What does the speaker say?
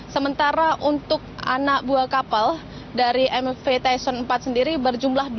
sementara untuk anak buah kapal dari mv tyson empat sendiri berjumlah dua